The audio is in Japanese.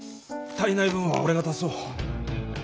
足りない分は俺が足そう。